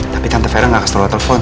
tapi tante vera gak kasih tolong telepon